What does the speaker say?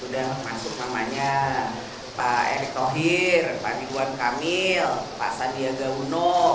sudah masuk namanya pak erick tohir pak iwan kamil pak sandiaga uno